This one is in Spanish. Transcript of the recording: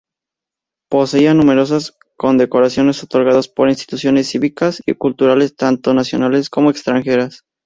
Poseía numerosas condecoraciones otorgadas por instituciones cívicas y culturales, tanto nacionales como extranjeras.